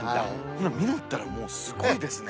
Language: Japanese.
ほな実ったらもうすごいですね。